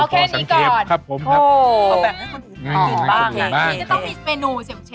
ใช่นี่เวอครั้วที่เล่านั้นแล้ว